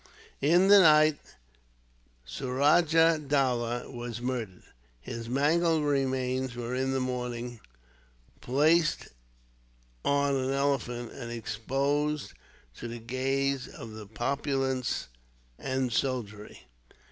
In the night, Suraja Dowlah was murdered. His mangled remains were, in the morning, placed on an elephant, and exposed to the gaze of the populace and soldiery.